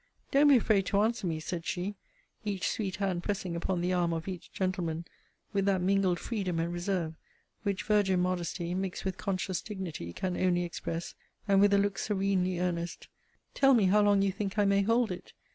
Don't be afraid to answer me, said she, each sweet hand pressing upon the arm of each gentleman, with that mingled freedom and reserve, which virgin modesty, mixed with conscious dignity, can only express, and with a look serenely earnest, tell me how long you think I may hold it!